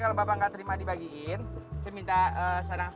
kalau bapak nggak terima dibagiin saya minta sarang